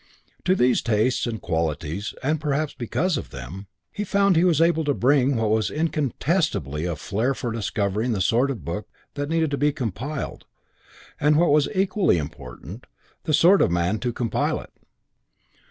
To these tastes and qualities, and perhaps because of them, he found he was able to bring what was incontestably a flair for discovering the sort of book that needed to be compiled and, what was equally important, the sort of man to compile it.